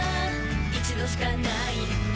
一度しかないんだ